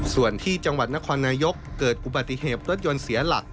ส่วนที่จังหวัดนครนายกเกิดอุบัติเหตุรถยนต์เสียหลัก